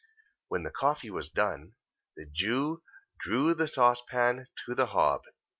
When the coffee was done, the Jew drew the saucepan to the hob.